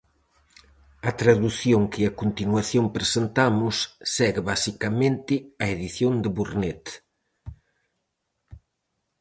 A tradución que a continuación presentamos segue basicamente a edición de Burnet.